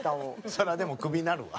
そりゃでもクビになるわ！